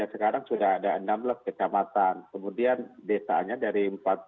sekarang sudah ada enam belas kecamatan kemudian desanya dari empat puluh